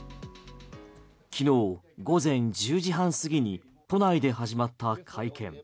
昨日午前１０時半過ぎに都内で始まった会見。